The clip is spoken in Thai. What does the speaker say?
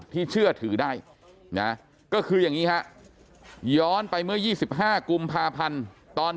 ที่เชื่อถือได้ก็คืออย่างนี้ครับย้อนไปมื้อ๒๕กุมภาพันธุ์ตอน